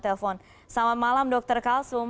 telepon selamat malam dr kalsum